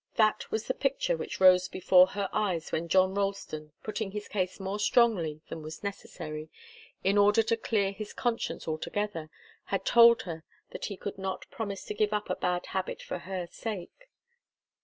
That was the picture which rose before her eyes when John Ralston, putting his case more strongly than was necessary in order to clear his conscience altogether, had told her that he could not promise to give up a bad habit for her sake.